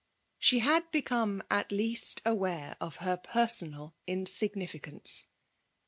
She had become at least aware of her personal insignificance.